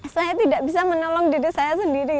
saya tidak bisa menolong diri saya sendiri